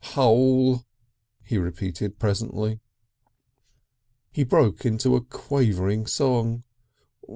"Hole!" he repeated presently. He broke into a quavering song.